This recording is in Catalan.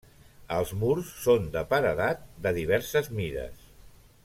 Els murs són de paredat de diverses mides.